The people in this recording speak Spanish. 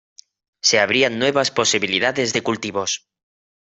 Se abrían nuevas posibilidades de cultivos.